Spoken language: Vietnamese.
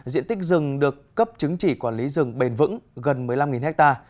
diện tích rừng được cấp chứng chỉ quản lý rừng bền vững gần một mươi năm ha